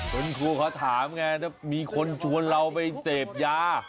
คุณครูเขาถามไงถ้ามีคนชวนเราไปเสพยา